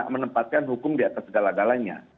menempatkan hukum di atas segala galanya